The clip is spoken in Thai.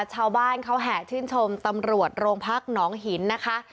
ชาวบ้านเขาแห่ชื่นชมตำรวจโรงพักหนองหินนะคะ